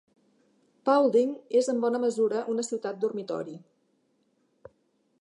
Paulding és en bona mesura una ciutat dormitori.